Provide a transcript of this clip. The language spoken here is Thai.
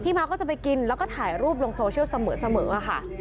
ม้าก็จะไปกินแล้วก็ถ่ายรูปลงโซเชียลเสมอค่ะ